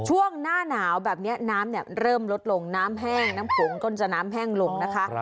ช่วงหน้าหนาวแบบนี้น้ำเริ่มลดลงน้ำแห้งน้ำโขงก็จะน้ำแห้งลงนะคะ